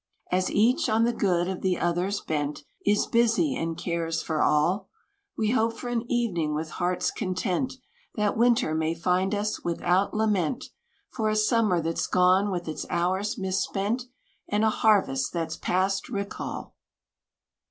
As each, on the good of the others bent, Is busy, and cares for all, We hope for an evening with hearts content, That Winter may find us without lament For a Summer that's gone, with its hours misspent, And a harvest that's past recall!